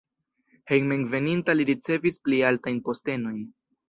Hejmenveninta li ricevis pli altajn postenojn.